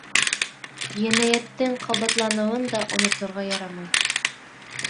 Енәйәттең ҡабатланыуын да оноторға ярамай.